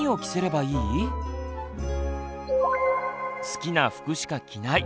好きな服しか着ない。